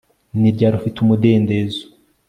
Ni ryari ufite umudendezo